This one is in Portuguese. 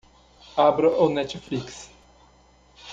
Abra o Netflix.